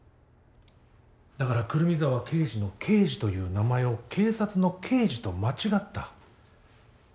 だから胡桃沢啓二の「啓二」という名前を警察の「刑事」と間違った。